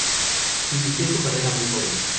Inició su carrera muy joven.